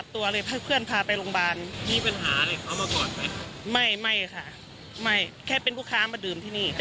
ต้องแปลงเพียบ